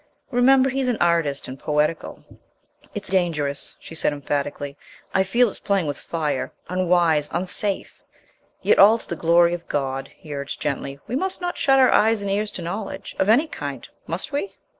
Remember, he's an artist, and poetical." "It's dangerous," she said emphatically. "I feel it's playing with fire, unwise, unsafe " "Yet all to the glory of God," he urged gently. "We must not shut our ears and eyes to knowledge of any kind, must we?"